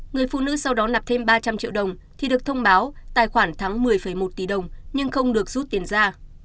người phụ nữ sau đó nạp thêm ba trăm linh triệu đồng thì được thông báo tài khoản thắng một mươi một tỷ đồng nhưng không được rút tiền ra